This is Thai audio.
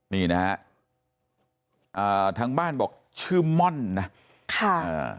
นี่นะฮะทางบ้านบอกชื่อม่อนนะ